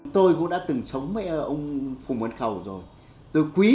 tôi cũng đã từng sống với ông phùng văn khầu rồi